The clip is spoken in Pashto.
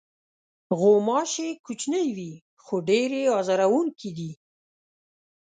غوماشې کوچنۍ وي، خو ډېرې آزاروونکې دي.